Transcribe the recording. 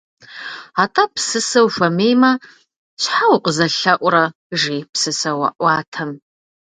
Атӏэ, псысэ ухуэмеймэ, щхьэ укъызэлъэӏурэ? - жи псысэӏуатэм.